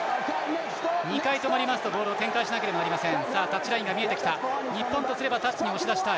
２回止まりますとボールを展開しなければいけません。